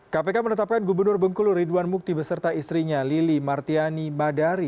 kpk menetapkan gubernur bengkulu ridwan mukti beserta istrinya lili martiani madari